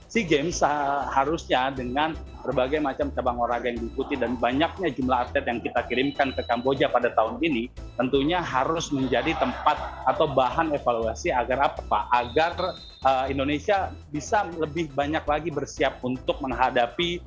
sea games seharusnya dengan berbagai macam cabang olahraga yang diikuti dan banyaknya jumlah atlet yang kita kirimkan ke kamboja pada tahun ini tentunya harus menjadi tempat atau bahan evaluasi agar apa pak agar indonesia bisa lebih banyak lagi bersiap untuk menghadapi